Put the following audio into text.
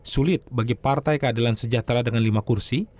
sulit bagi partai keadilan sejahtera dengan lima kursi